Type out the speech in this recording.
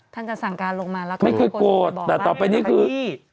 ท่านจะสั่งการลงมาแล้วก็ไม่เคยโกรธแต่ต่อไปนี้คือ